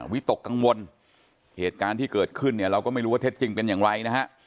วิตกกังวลเหตุการณ์ที่เกิดขึ้นเนี่ยเราก็ไม่รู้ว่าเท็จจริงเป็นอย่างไรนะฮะ